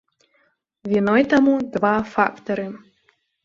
Віной таму два фактары.